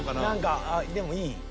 何かでもいい。